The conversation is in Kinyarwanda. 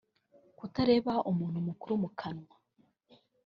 kutareba umuntu mukuru mu kanwa